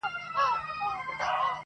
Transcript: • چا ته به یې نه ګټه نه تاوان ورسیږي -